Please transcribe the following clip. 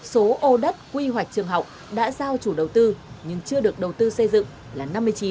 số ô đất quy hoạch trường học đã giao chủ đầu tư nhưng chưa được đầu tư xây dựng là năm mươi chín